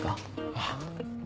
あっ。